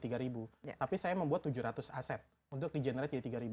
tapi saya membuat tujuh ratus aset untuk di generate jadi tiga